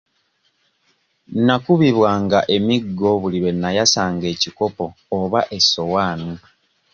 Nakubibwanga emiggo buli lwe nayasanga ekikopo oba essowaani.